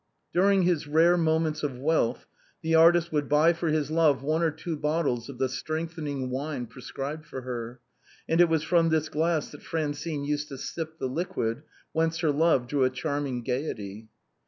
During his rare moments of wealth the artist would buy for his love one or two bottles of the strengthening wine prescribed for her, and it was from this glass that Fran cine used to sip the liquid whence her love drew a charming gaiety.